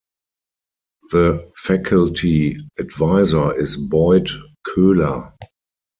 The faculty advisor is Boyd Koehler.